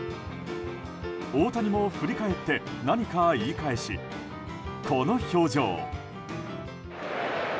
大谷も振り返って何か言い返しこの表情。